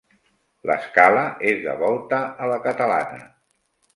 L'escala és de volta a la catalana.